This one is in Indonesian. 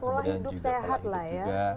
kemudian juga pelah hidup sehat lah ya